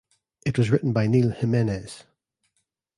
It was written by Neal Jimenez.